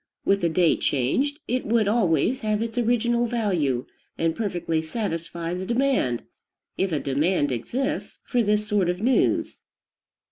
With the date changed, it would always, have its original value, and perfectly satisfy the demand, if a demand exists, for this sort of news.